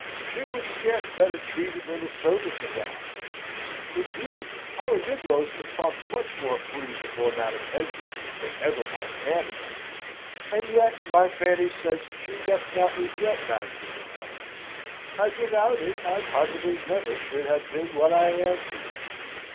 She was scarce better treated than a servant of the house indeed our negroes can talk much more free before Madam Esmond than ever my Fanny could. "And yet my Fanny says she doth not regret Madam's unkindness, as without it I possibly never should have been what I am to her.